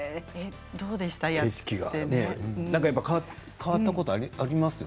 変わったことがありますか。